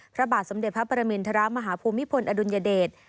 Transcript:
พระบาทสมเด็จพระปรมินทรมาฮภูมิพลอดุลยเดช